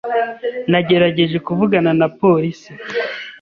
Nagerageje kuvugana na polisi.